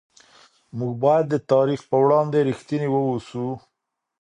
موږ باید د تاریخ په وړاندې رښتیني واوسو.